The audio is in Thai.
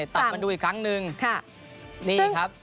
ตัดมาดูอีกครั้งนึงนี่ครับ